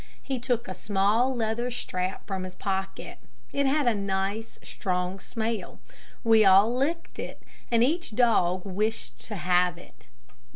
He took a small leather strap from his pocket. It had a nice, strong smell. We all licked it, and each dog wished to have it.